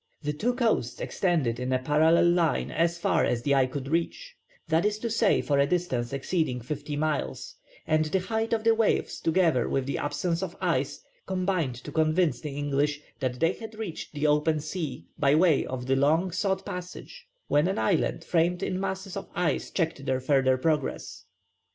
The two coasts extended in a parallel line as far as the eye could reach, that is to say for a distance exceeding fifty miles, and the height of the waves together with the absence of ice combined to convince the English that they had reached the open sea by way of the long sought passage, when an island framed in masses of ice checked their further progress.